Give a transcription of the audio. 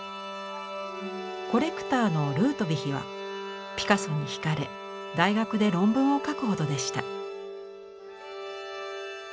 コレクターのルートヴィヒはピカソにひかれ大学で論文を書くほどでした。